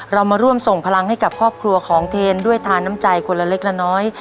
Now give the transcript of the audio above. เรามาร่วมส่งพลังให้กับครอบครัวของเทนด้วยทานน้ำใจคนละเล็กละน้อย